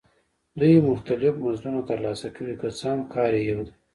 دوی مختلف مزدونه ترلاسه کوي که څه هم کار یې یو دی